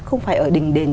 không phải ở đình đền